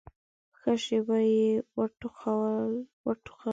ښه شېبه يې وټوخل.